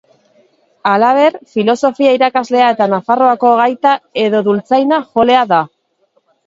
Halaber, filosofia irakaslea eta Nafarroako gaita edo dultzaina jolea da.